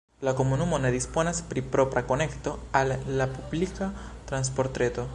La komunumo ne disponas pri propra konekto al la publika transportreto.